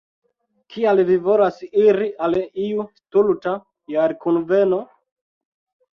Kial vi volas iri al iu stulta jarkunveno?